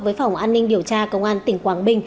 với phòng an ninh điều tra công an tp hcm